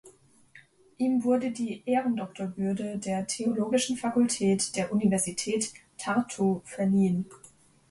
Ihm wurde die Ehrendoktorwürde der Theologischen Fakultät der Universität Tartu verliehen.